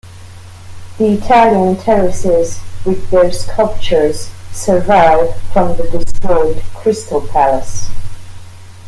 The Italian Terraces with their sculptures survive from the destroyed Crystal Palace.